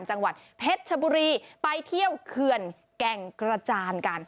จังหวัดเพชรชบุรีไปเที่ยวเขื่อนแก่งกระจานกัน